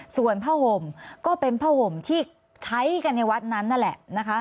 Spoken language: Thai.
ส่วนผ้าห่มก็เป็นผ้าห่มที่ใช้กันในวัดนั้นนั่นแหละนะคะ